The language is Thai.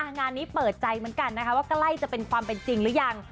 งานนี้เปิดใจเหมือนกันนะคะว่าใกล้จะเป็นความเป็นจริงหรือยัง